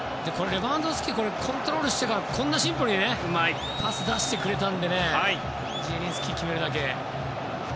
レバンドフスキがコントロールしてからこんなシンプルにパス出してくれたのでジエリンスキは決めるだけ。